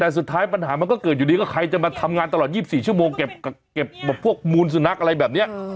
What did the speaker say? แต่สุดท้ายปัญหามันก็เกิดอยู่ดีกว่าใครจะมาทำงานตลอดยี่สิบสี่ชั่วโมงเก็บเก็บพวกมูลสุนัขอะไรแบบเนี้ยเออ